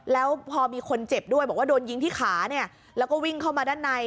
แล้วพอมีคนเจ็บด้วยบอกว่าโดนยิงที่ขาเนี่ยแล้วก็วิ่งเข้ามาด้านใน